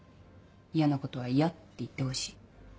嫌なことは嫌って言ってほしい。